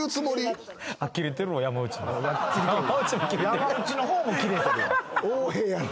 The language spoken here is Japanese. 山内の方もキレてる。